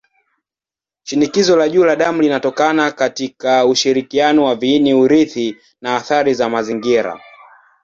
Shinikizo la juu la damu linatokana katika ushirikiano wa viini-urithi na athari za mazingira.